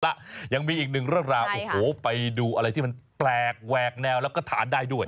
แล้วยังมีอีกหนึ่งเรื่องราวโอ้โหไปดูอะไรที่มันแปลกแหวกแนวแล้วก็ทานได้ด้วย